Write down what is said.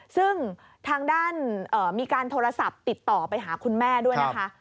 ซึ่งทางด้านมีการโทรศัพท์ติดต่อไปหาคุณแม่ด้วยนะคะ